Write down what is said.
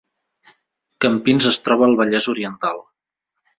Campins es troba al Vallès Oriental